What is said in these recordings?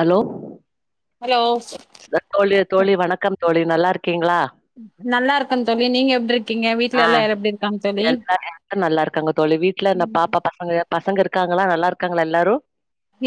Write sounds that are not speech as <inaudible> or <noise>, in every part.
Allow hello தோழி தோழி வணக்கம் தோழி நல்லா இருக்கீங்களா நல்லா இருக்கன் தோழி நீங்க எப்டி இருக்கீங்க ஆ வீட்ல எல்லாரு எப்டி இருக்காங்க தோழி எல்லாரு நல்லா இருக்காங்க தோழி வீட்ல இந்த பாப்பா பசங்க பசங்க இருக்காங்களா நல்லா இருக்காங்களா எல்லாரு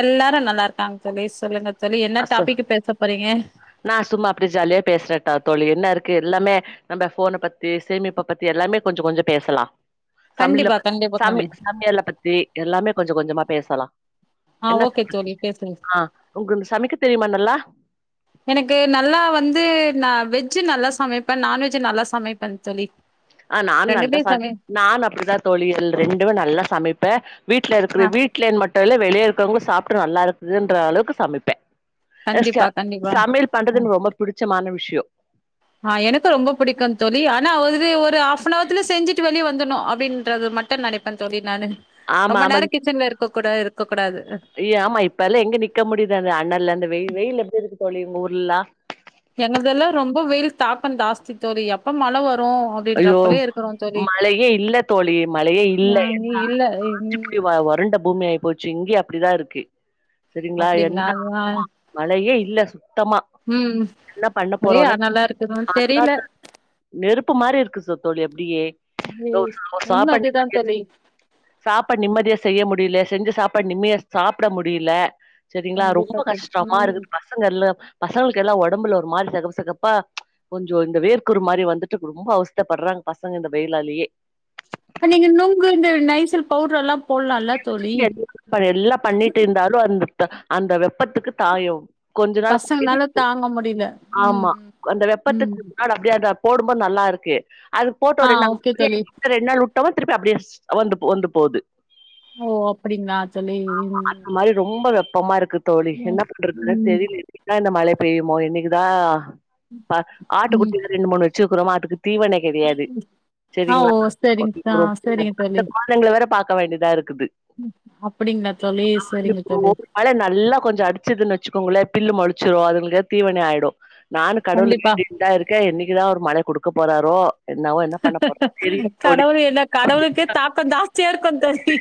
எல்லாரு நல்லா இருக்காங்க தோழி சொல்லுங்க தோழி என்ன அசு டாபிக் பேச போறீங்க நா சும்மா அப்டியே ஜாலியா பேசுறே ட தோழி என்ன இருக்கு எல்லாமே நம்ப ஃபோன பத்தி சேமிப்ப பத்தி எல்லாமே கொஞ்ச கொஞ்சொ பேசலா கண்டிப்பா சமில கண்டிப்பா கண் சமி சமையல பத்தி எல்லாமே கொஞ்ச கொஞ்சமா பேசலா ஆ என்ன ஓகே தோழி பேசுங்க ஆ உங்களுக்கு சமைக்க தெரியுமா நல்லா எனக்கு நல்லா வந்து நா வெஜ் நல்லா சமைப்ப நான்வெஜ் நல்லா சமைப்பன் தோழி அ நானு நல்லா ரெண்டுமே சம சமை நா அப்படிதா தோழி ரெண்டுமே நல்லா சமைப்பே வீட்ல இருக்குது ஆ வீட்ல மட்டும் இல்ல வெளிய இருக்கவங்க சாப்ட்டு நல்லா இருக்குதுன்ற அளவுக்கு சமைப்பே ஏ ச கண்டிப்பா கண்டிப்பா சமையல் பண்றதுனு ரொம்ப பிடிச்சமான விஷய அ எனக்கு ரொம்ப பிடிக்கு தோழி ஆனா இது ஒரு ஆஃப்னவர்னத்ல செஞ்சிட்டு வெளிய வந்துருனும் அப்டின்னு பன்றது மட்டு நெனைப்பே தோழி நானு ஆமா ரொம்ப ஆமா நேரம் கிச்சன்ல இருக்க கூடாது இருக்க கூடாது ஐய ஆமா இப்ப எல்லா எங்க நிக்க முடியுது அந்த அனல்ல அந்த வெய் வெயில் எப்படி இருக்கு தோழி உங்க ஊர்லாம் எங்களது எல்லா ரொம்ப வெயில் தாக்கம் ஜாஸ்தி தோழி எப்ப மழ வரும் ரும் ஐயோ அப்டின்றப்ப இருக்கிறோம் தோழி மழையே இல்ல தோழி நாங்க இல்ல அப்டியே வறண்ட பூமி ஆயிப் போச்சி இங்கயும் அப்படிதா இருக்கு சரிங்களா அப்டிங்களா என்ன அதுதா மழையே இல்ல சுத்தமா என்ன பண்ண ஒரே போறோனே அனலா இருக்குதுன்னு தெரில <unintelligible> நெருப்பு மாரி இருக்கு சு தோழி அப்டியோ பண்ணி ம் ஒரு உண்ம சாப்பாடு அதுதா நிம்மதி <unintelligible> தோழி சாப்பாடு நிம்மதிய செய்ய முடியல செஞ்சி சாப்பாடு நிம்மதிய சாப்பட முடியல சரிங்களா ரொம்ப கண்டிப்பா தோழி கஷ்டமா ம் இருக்குதுபா பசங்கல்ல பசங்களுக்கு எல்லா ஒடம்புல ஒரு மாரி சிகப்பு சிகப்பா கொஞ்சோ இந்த வேர்க்குறு மாரி வந்துட்டு ரொம்ப அவஸ்தப்படுறாங்க பசங்க இந்த வெயிலாலேயே நீங்க நொங்கு இந்த நைசில் பவுடர் எல்லா போட்லால்ல <unintelligible> எல்லா பண்ணிட்டு இருந்தாலு அந்த அந்த வெப்பத்துக்கு தாயும் கொஞ்ச நாள் பசங்கனால <unintelligible> தாங்க முடில ம் ஆமா அந்த ம் வெப்பத்துக்கு ம் அப்டியே அத போடும்போது நல்லா இருக்கு அதுக்கு போட்டு ஆ ஒரு ரெண்டு ஓகே தோழி <unintelligible> ரெண்டு நாள் வுட்டு திருப்பி அப்படியே வந்து வந்து போவுது ஓ அப் ஆமா அது மாரி ரொம்ப வெப்பமா இருக்கு தோழி ம் என்ன பண்றதுன்னு ம் தெரியல என்னைக்கிதா இந்த மழ பெய்யுமோ என்னைக்கிதா ப ஆட்டு ம். குட்டி ரெண்டு மூணு வச்சி வச்சிக்கறோமா அதுக்கு தீவணை கெடையாது ஆ ஓ செரிங்களா சரிங்க ஆ சரிங்க <unintelligible> பாக்க வேண்டியதா இருக்குது அப்படிங்களா தோழி சரிங்க இப்போ தோழி ஒரு மழ நல்லா கொஞ்ச அடிச்சிதுன்னு வச்சிக்கோங்களே பில்லு மொளைச்சிடும் அதுங்களுக்கு தீவணை ஆயிடும் நானு கடவுள்ல கண்டிப்பா. வேண்டிக்கிட்டு தா இருக்கே என்னைக்கிதா ஒரு மழ குடுக்க போறாரோ என்னாவோ என்ன பண்ண போறது தெரியல தோழி கடவுள் என்ன கடவுளுக்கே தாக்கம் ஜாஸ்தியா இருக்கு தோழி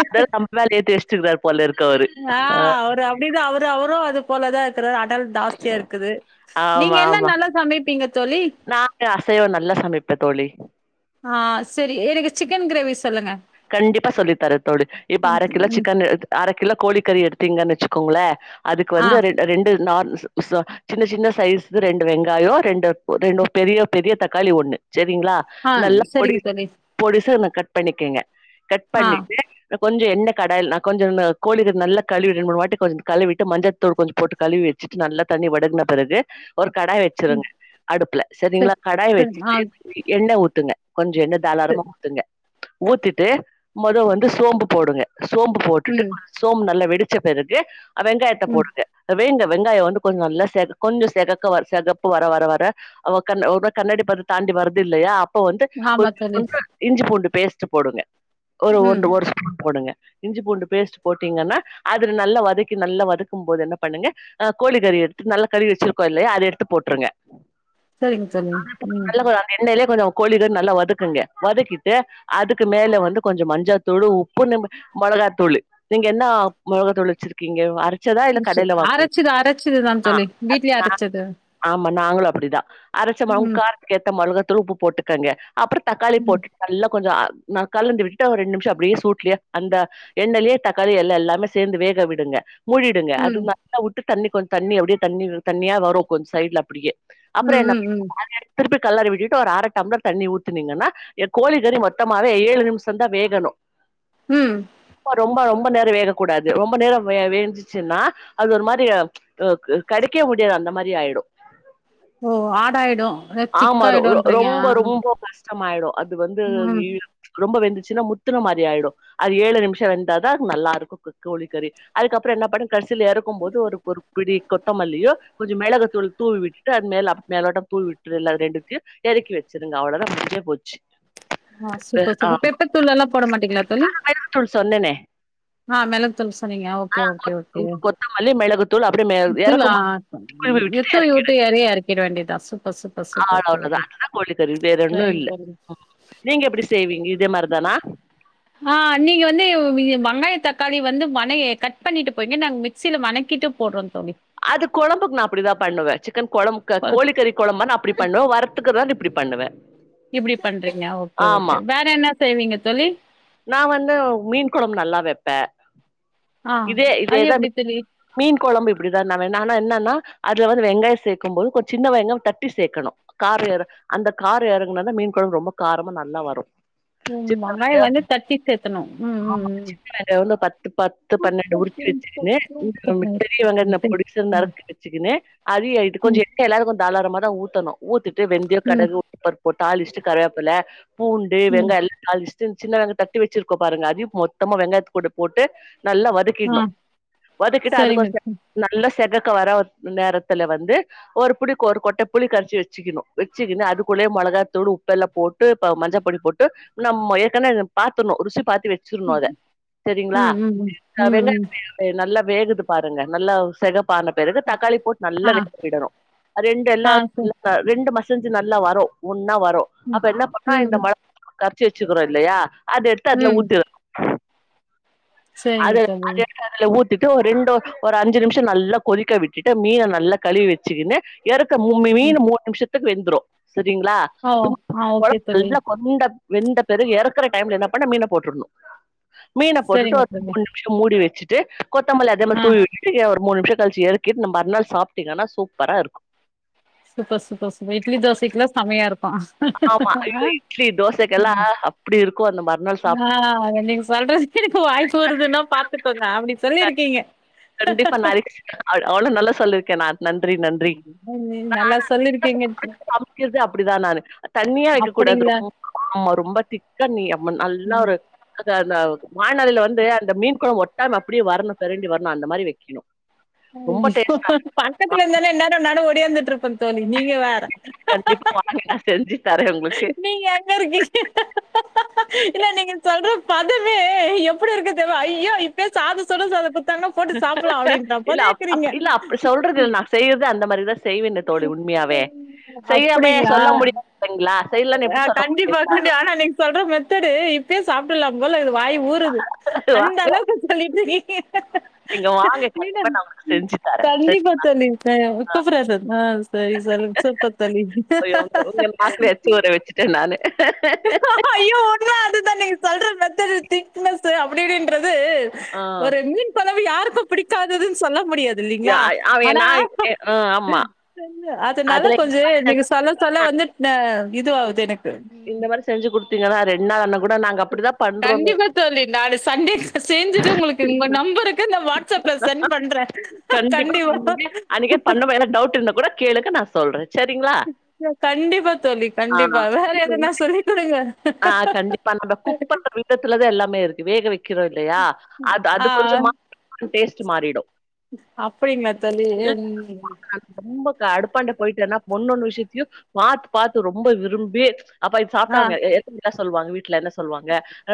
அத <unintelligible> டேஷ்டு இருக்காரு போலருக்கு அவரு அ அவரு அப்டிதா அவரு அவரு அது போலதா இருக்றாரு அடல் ஜாஸ்தியா இருக்குது நீங்க என்ன நல்லா சமைப்பீங்க தோழி நா அசைவோ நல்லா சமைப்பே தோழி அ செரி எனக்கு சிக்கன் கிரேவி சொல்லுங்க கண்டிப்பா சொல்லித் தரே தோழி இப்ப ம், அரகிலோ ம். சிக்கன் எடு அர கிலோ கோழிக்கறி எடுத்தீங்கன்னு வச்சுக்கோங்ளே அதுக்கு ஆ, வந்து ரெண் ரெண்டு நார் ச சின்ன சின்ன சைஸ்க்கு ரெண்டு வெங்காயோ ரெண்டு ரெண்டு பெரிய பெரிய தக்காளி ஒண்ணு செரிங்களா ஆ நல்லா பொடி சரிங்க தோழி. பொடிசு கட் பண்ணிக்கங்க கட் ஆ, பண்ணிட்டு கொஞ்சோ எண்ண கடாயில் நா கொஞ்சோ கோழிக்கு நல்ல கழுவி ரெண்டு மூணுவாட்டி கொஞ்சோ கழுவிட்டு மஞ்ச தூள் கொஞ்சோ போட்டு கழுவி வச்சுட்டு நல்லா தண்ணி வடுகுன பெறகு ஒரு கடாய் வச்சு ம். வச்சுருங்க அடுப்புல செரிங்ளா சரி, கடாய் சரி. ஆ, வச்சுட்டு எண்ண ஊத்துங்க கொஞ்சோ எண்ண தாராளமா சரி. ஊத்துங்க ஊத்திட்டு மொத வந்து சோம்பு போடுங்க சோம்பு போட்டுட்டு ம், <inaudible> சோம்பு நல்லா வெடிச்ச பெறகு வெங்காயத்த ம். போடுங்க வேங்க வெங்காயோ வந்து கொஞ்சோ நல்லா செ கொஞ்சோ செகக்க வர செகப்பு வர வர வர அவ கண் ஒரு மாரி கண்ணாடி பதோ தாண்டி வருதுல்லையா அப்போ வந்து ஆமா கொஞ்சொ தோழி. கொஞ்சோ இஞ்சி பூண்டு பேஸ்ட் போடுங்க ஒரு ம். ஒன்டு ஒரு ஸ்பூன் போடுங்க இஞ்சி பூண்டு பேஸ்ட் போட்டீங்கன்னா அதுல நல்லா வதக்கி நல்லா வதக்கும் போது என்ன பண்ணுங்க ஆ கோழி கறி எடுத்து நல்லா கழுவி வச்சிருக்கோ இல்லையா அத எடுத்து போட்டுருங்க சரிங்க தோழி. ஆனா இப்போ ம். நல்ல <unintelligible> எண்ணெய்லே கொஞ்சோ கோழிகறி நல்லா வதக்குங்க வதக்கிட்டு அதுக்கு மேல வந் ந்து கொஞ்சோ மஞ்சாத்தூள் உப்பு நம்ப மொளகாத்தூளு நீங்க என்னா மொளகாத்தூள் வச்சிரு க்கீங்க அரச்சதா இல்ல சரி. கடைல வாங்குவீங் அரைச்சது அரைச்சது தான் ஆ தோழி. வீட்லயே அதா அரைச்சது. ஆமா நாங்களு அப்டிதா அரச்ச மாவு ம், காரத்துக்கு ஏத்த மொளகாத்தூள் உப்பு போட்டுக்கோங்க அப்பறோ தக்காளி ம், போட்டுட்டு நல்லா கொஞ்சோ அ ந கலந்து விட்டுட்டா ஒரு ரெண்டு நிமிஷோ அப்டியே சூட்லயே அந்த எண்ணைலே தக்காளி எல்லா எல்லாமே சேந்து வேக விடுங்க மூடிடுங்க ம், அதுவ் நல்லா வுட்டு தண்ணி கொஞ்சோ தண்ணி அப்டியே தண்ணி தண்ணியா வரு கொஞ்சோ சைடுல அப்டியே அப்றோ ம், என்ன ம், <inaudible> ம். அத எடுத் திருப்பி கெளாரி விட்டுட்டு ஒரு அர டம்ளர் தண்ணி ஊத்துனீங்கன்னா எ கோழி கறி மொத்தமாவே ஏழு நிம்ஷோந்தா வேகனு ம் பா ரொம்போ ரொம்போ நேரோ வேக கூடாது ரொம்போ நேரோ வே வேஞ்சிச்சுன்னா அது ஒரு மாரி க க கடிக்கவே முடியாது அந்த மாரி ஆயிடு ஓ ஆடாயிடு அத திக் ஆமா ரொ ரொ ஆயிடுன்றீங்க ஆ ரொம்போ ரொம்போ கஷ் டமாயிடு அது வந்து ம் இழு ரொம்ப வெந்துச்சுன்னா முத்துன மாறி ஆயிடு அது ஏழு நிமிஷோ வெந்தாதா அது நல்லாருக்கு கோ கோழிக்கறி அதுக்கப்றோ என்ன பண்ணு கடசீல எறக்கும் போது ஒரு ஒரு பிடி கொத்தமல்லியு கொஞ்சோ மெளகு தூளு தூவி விட்டுட்டு அது மேல மேலோட்டோமா தூவி விட்றல்ல அது ரெண்டுத்தியு எறக்கி வச்சருங்க அவ்ளோதா முடிஞ்சே போச்சு ஆ சூப்ப ஆ சூப்பர் பெப்பர் தூள் எல்லா போட மாட்டீங்ளா தோழி தூள் சொன்னனே ஆ மெளகுத்தூள் சொன்னீங்க ஓகே ஓகே ஓகே கொத்தமல்லி, மிளகுத்தூள் அப்டியே மே உப்பு லா எறக்கும்போது திரும்பி விட்டுட்டு த்து எறக்கிடு. வுட்டு எறய எறக்கிட வேண்டியதா சூப்பர் சூப்பர் சூப்பர் சகோதரி அவ்ளோதான். அதுதான் கோழிக்கறி வேற ஒன்னு இல்ல நீங்க எப்டி செய்வீங்க இதே மாரிதானா நா நீங்க வந்து வி வ வெங்காயோ தக்காளி வந்து வணே கட் பண்ணிட்டு போயிங்க நாங்க மிக்சியில லணக்கிட்டு போடுறோ தோழி அது கொழம்புக்கு நா அப்டிதா பண்ணுவே சிக்கன் கொழம்புக் கோழிக்கறி கொழம்ப நா அப்டி பண்ணுவே வறு த்துக்றதாந்தா இப்டி பண்ணுவே இப்டி பண்றீங்க ஓகே ஓகே வேற என்ன செய்வீங்க தோழி நா வந்து மீன் கொழம்பு நல்லா வப்பே ஆ இதே அது இதேதா எப்டி மீ தோழி மீன் கொழம்பு இப்டிதான்ன வேணு ஆனா என்னன்னா அதுல வந்து வெங்காயோ சேக்கும் போது கொஞ் சின்ன வெங்காம் தட்டி சேக்கணு காரௌ ஏறு அந்த காரோ எறங்குனாதா மீன் கொழம்பு ரொம்ப காரமா நல்லா வரு ம் வங்காயோ வந்து தட்டி சேத்தணு ம் ம் ஆமா ம் <unintelligible> நாங்க வந்து பத்து பத்து ம், பன்னெண்டு உரிச்சு வச்சிருங்க <inaudible> பெரியவெங்காயோ நா பொடிச்சா நறுக்கு வெச்சுக்குனு அதிகாய்ட்டு ம், கொஞ்சோ எ எல்லாருக்கு தாளாரமாதா ஊத்தணு ஊத்திட்டு வெந்தியோ ம், கடுகு உளுந்துப்பருமப் போட்டு தாளுச்ட்டு கருவாப்புல பூண்டு ம். வெங்காயெல்லா தாளிச்ட்டு இந் சின்ன வெங்க தட்டி வச்சிருக்கோ பாருங்க அதையு மொத்தமா வெங்காயத்து கூட போட்டு நல்லா வதக் ஆ கீர்னு வதக்கிட்டு சரிங்க. அதுக்கொச நல்ல செகக்க வர நேரத்துல வந்து ஒரு புடிக்கு ஒரு கொட்ட புளி கரச்சு வச்சுக்கணு வச்சுக்குனு அதுக்குள்ளயே மொளகாத்தூள் உப்பெல்லா போட் டு ப மஞ்ச பொடி போட்டு நம் ஏற்கன அத பாத்தட்ணு ருசி பாத்து வச் சுட்ணு அத செரிங்ளா ம், ம், ம், அ ம், ம். நல்லா வேகுது பாருங்க நல்லா செகப் பான பெறகு தக்காளி போட்டு நல்லா ஆ, வேவிடணு ரெண்டு எல்லா ஆ சரி. வெந்டு மசிஞ்சு நல்லா வரு ஒன்னா வரு ம், அப்ப என்ன பண்ணு ம், இந்த மழ கரச்சு வெச்சுக்கறோ இல்லயா அது எடுத்து அதுல ம். ஊத்து அத சரிங்க தோழி. அத எடுக்க அதுல ஊத்திட்டு ஒரு ரெண்டு ஒரு அஞ்சு நிமிஷோ நல்லா கொதிக்க விட்டுட்டு மீன நல்லா கழுவி வச்சுக்கின்னு எறக்க மூ ம். மீனு மூணு நிமிஷத்துக்கு வெந்துரரு சரிங்ளா <inaudible> ஓ! ஆ ஓகே கொழம்பு தோழி. நல்லா கொன்ட வெந்த பெறகு இறக்குற டைம்ல என்ன பண்ணு மீன போட்டுருணு சேரிங்க தோழி சோ மூடி வச்சிட்டு கொத்தமல்லி அதேமாரி ஆ தூவி விட்டுட் ட ஒரு மூணு நிம்ஷோ கழுச்சு எறக்கி நம் மறுநாள் சாப்பிட்டீங்கன்னா சூப்பரா இருக்கு சூப்பர் சூப்பர் சூப்பர் இட்லி தோசைக்கெல்லா செமையா ஆமா இருக்கு ஐயோ இட்லி தோசைக்கெல்லா அப்டி இருக்கு அந்த மறுநாள் சாப் ஆ ஆ நீங்க சொல்றது எனக்கு வாய் ஊருதுன்னா பாத்துக்கோங்க அப்டி கண் கண்டிப்பா நா அவ்ளோ நல்லா சொல்லிருக்கேனா நன்றி நன்றி <inaudible> ம், நல்லா சொல்லியிருக்கீங்க. சமைக்கறது அப்டிதா நானு தண்ணியா வைக்க கூடாது அப்படிங்களா? ரொம்ப ஆமா ரொம்ப திக்கா நீ அம்ம நல்லா ஒரு அ அந்த வாணல்ல வந்து அந்த மீன் குழம்பு ஒட்டாம அப்பிடியே வரணு பெரண்டு வரணு அந்த மாரி வைக்கணு ரொம்ப அய்யோ டேஸ்டா இருக்கு பக்கத்துல இருந்தனா இந்நாரோ அன்னாடு ஓடியாந்துட்டு இருப்ப தோழி நீங்க வேற கண்டிப்ப வாங்க நா செஞ்சுத்தர நீங்க எங்க இருக்கீ இல்ல நீங்க சொல்ற பதவே எப்புடி இருக்கு தெரிமா ஐய்யோ இப்பயே சாதோ சுடு சாதோ குத் தாங்கனா போட்டு சாப்பல்லா அப்டின்றாப்பதேக்குறீங்க சொல்றதில்ல நா செய்றதே அந்த மாரிதா செய்வனே தோழி உண்மையாவே செய்யாமயே அப்படிங்களா? சொல்ல முடியாதுங்களா செய்லன் அ எப்டி சொல் கண்டிப்பா கண்டிப்பா ஆனா நெ சொல்ற மெத்தடு இப்பயே சாப்ட்டட்லா போல இக்குது வாய் ஊறுது அந்த வாங்க அளவுக்கு சொல்லீட்ருக்கீங்க நீங்க வாங்க கண்டிப்பா மீனம் நா உங்களுக்கு செஞ்சு தரே செஞ் கண்டிப்பா தோழி அ கூப்பட்றார் பாரு ஆ செரி சொல்லுங் சூப்பர் தோழி அரிசி ஊர வச்சுட்ட நானு ஐயோ உண்ம அதுதா நீங்க சொல்ற மெத்தடு திக்னஸு அப்டி இப்டின்றது ஆ ஒரு மீன் கொலம்பு யாருக்கு புடிக்காதுதுனு சொல்ல முடியாது இல்லீங்ளா அவ ஆனா நா ஆ ஆமா அதனால அதுல இந்த கொஞ்சே மாரி நீங்க செஞ்சா சொல்ல சொல்ல வந்து ஆ இது ஆவுது எனக்கு இந்த மாறி செஞ்சு கொடுத்தீங்கனா ரெண்ணாள் ஆனாலு கண்டிப்பா தோழி நானு சண்டே சேஞ்சுட்டு ஒங்ளுக்கு ஒங்க நம்பருக்கு நா வாட் கண்டிப்பா பண்ணுங்க அன்னைகே பண்ணப்ப எதுனா டவுட் இருந்தா கூட கேளுங்க நா சொல்ற சேரீங்ளா கண்டிப்பா தோழி கண்டிப்பா வேற எதுனா சொல்லி குடுங்க ஆ கண்டிப்பா நம்ப குக் பண்ற விதத்துலதா எல்லாமே இருக்கு வேக வக்கிறோ இல்லயா ஆ டேஸ்ட்டு மாறிடு அப்டிங்ளா தோழி ம் நான் ரொம்ப க அடுப்பாண்ட போய்ட்டனா ஒன்னொன்னு விஷ்யத்தையு பாத் பாத்து ரொம்ப விரும்பி அப்ப இது ஆ சாப்ட்டாங்க எ எ என்ன சொல்வாங்க வீட்ல என்ன சொல்வாங்க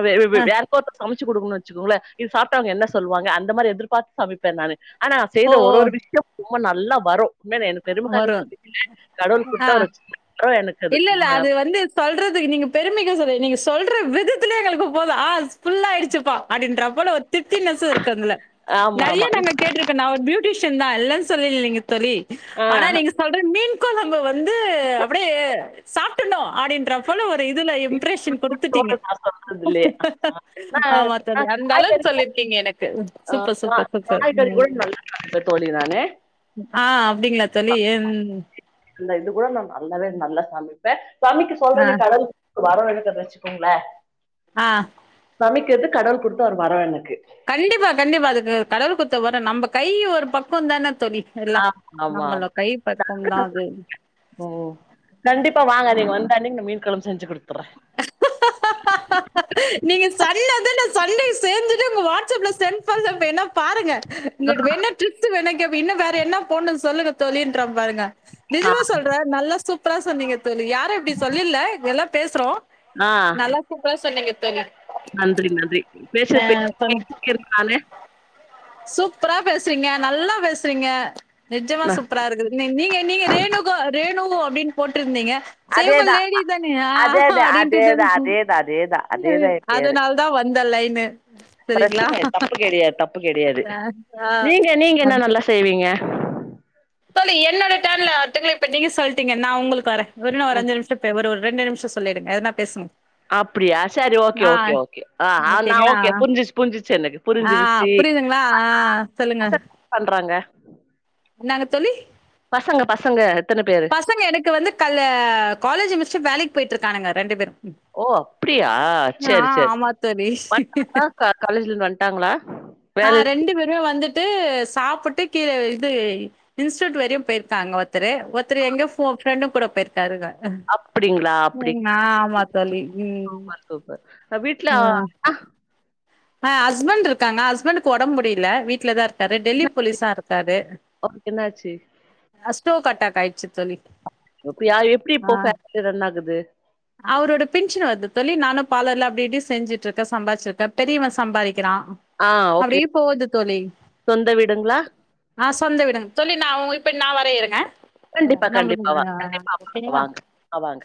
வே வே ஆ வேற இப்ப ஒருத்தோங்களுக்கு சமச்சு குடுக்குனு வச்சுகோங்ளே இத சாப்ட்டு அவுங்க என்ன சொல்வாங்க அந்த மாறி எதிர்பாத்து சமைப்பே நானு ஆனா ஓ செய்ற ஒரு ஒரு விஷ்யம் ரொம்ப நல்லா வரு என்ன வேனு ஓ பெருமக்காக வரும் சொல்லிக்கல கடவுள் ஆ குடுத்த ஒரு சின்ன வரோ எனக்கு அது இல்ல, இல்ல. ம் ய வந்து சொல்றதுக்கு நீங்க பெருமைக்கு சொல்லல நீங்க சொல்ற விதத்துல எங்களுக்கு போது ஆ ஃபுல் ஆயிடுச்சி பா அப்டின்றா போல திருப்தினெசு இருக்கு அதுல ஆமா, நெறையா ஆமா. நாங்க இப் கேட்டிருக்க நா ஒரு பியூட்டிஷியன் தா இல்லன் சொல்லலிங்க தோழி ஆ. ஆனா நீங்க சொல் ற மீன் கொழம்பு வந்து அப்டியே சாப்டுர்னு அப்டின்ற போல ஒரு இதுல இப்ப இம்ப்ரெஷன் குடுத்துட்டீங்க தோணுது நான் சொல்றதில்லையே. நா ஆமா நா தோழி அந்த காய்கறி அளவுக்கு கூட சொல்லிருக்கீங்க எனக்கு சூப்பர் சூப்பர் சூப்பர் ம் இப்ப தோழி நானு ஆ அப்டிங்ளா தோழி ம் அந்த இது கூட நா நல்லாவே நல்லா சமைப்பே சமைக்க ஆ, சொல்றது கட வுள் வரோ இருக்குது வச்சுக்கோங்ளே ஆ சமைக்கிறது கடவுள் குடுத்த ஒரு வரோ எனக்கு கண்டிப்பா கண்டிப்பா அதுக்கு கடவுள் குடுத்த வரோ நம்ப கை ஒரு பக்கோ தான தோழி எல்லா ஆமா ஆமா நம்மள கை பக்குவந்தா அது ஓ கண்டிப்பா வாங்க நீங்க வந்தன்னைக்கு நா மீன்கொழம்பு செஞ்சு குடுக் நீங்க சொன்னது நா சண்டே சேஞ்சிட்டு ஒங்க வாட்ஸ்சப்ல சென்ட் பண்றே வேணா பாருங்க உங்கட்ட வேணா டிப்ஸு வேணா கேப்பே இன்னு வேற என்ன போன்னு சொல்லுங்க தோழின்ற பாருங்க ஆ நிஜமா சொல்ற நல்லா சூப்பரா சொன்னீங்க தோழி யாரு இப்டி சொல்லுல எல்லா பேசுறோ ஆ நல்லா சூப்பரா சொன்னீங்க தோழி நன்றி நன்றி அ சந்தோஷம். <inaudible> நால சூப்பரா பேசுறீங்க நல்லா பேசுறீங்க நெஜமா நா சூப்பரா இருக்குது நீங்க நீங்க ரேணுகா ரேணுகு அப்டின் போட்டிருந்தீங்க சே இவுங்க அதேதா லேடி தானே ஆ அப்டின்ட்டு தானு இல்ல அதே அதனால தா வந்த லைனு சரிங்களா? பிரச்சன இல்ல தப்பு கெடயாது தப்பு கெடயாது ஆ ஆ. நீங்க நீங்க என்ன நல்லா செய்வீங்க தோழி என்னோட டேர்ன்ல அத்துங்ளைங் இப்ப நீங்க சொல்ட்டீங்க நா ஒங்களுக்கு வரே இன்னு ம் ஒரு அஞ்சு நிம்ஷத்த ஒரு ரெண்டு நிம்ஷோ சொல்லிடுங்க எதுனா பேசுங் அப்டியா செரி ஓகே ஓகே ஓகே ஆ ஆ நா ஓகேங்களா? ஓகே புரிஞ்சிச் புரிஞ்சிச் எனக்கு ஆ புரிஞ்சிருச்சு புரியுதுங்ளா ஆ சொல்லுங்க பசங்க என்ன பண்றாங்க என்னாங்க தோழி பசங்க பசங்க எத்தன பேரு பசங்க எனக்கு வந்து கல்லே காலேஜ் மிஸ்டு வேலைக் போய்ட்ருக்காணுங்க ரெண்டு பேரு ஓ அப்டியா செரி செரி தோழி. வன்டாங்ளா காலேஜ் இருந்து வன்டாங்ளா ஆ ரெண்டு பேருமே வந்துட்டு சாப்புட்டு கீழ இது இன்ஸ்டியூட் வரையு போயிருக்காங்க ஒத்தரு ஒத்தரு எங்கோ ஃபோ ஃப்ரண்டு கூட போயிருக் தருக அப்டிங்களா அப்டி நா ஆமா தோழி ம் சூப்பர் சூப்பர் இப்ப வீட்டுல அ ஹஸ்பண்ட் இருக்காங்க ஹஸ்பண்ட்கு ஒடம்பு முடில வீ்ட்ல தா இருக் காரு டெல்லி போலீஸா இருக்காரு அவருக்கு என்னாச்சு அ ஸ்டோக் அட்டாக் ஆயிச்சி இப்ப வீட் அப்டியா எப்டி இப்போ பேம்லி ரன் ஆகுது அவரோட பின்ஷன் வருது தோழி நானுமபார்லர்ல அப்டி இப்டி செஞ்சிட்ருக்க சம்பாதிசிக்க பெரியவ சம்பாறிக்றா ஆ ஓகே அப்டியே போது தோழி சொந்த வீடுங்களா ஆ சொந்த வீடுங்க தோழி நா ஒ இப்ப நா வற இருங்க கண்டிப்பா நம்மளுக்கு கண்டிப்பா வா ஆ கண்டிப்பா வாங்க ஓகேங்களா? வாங்க அ வாங்க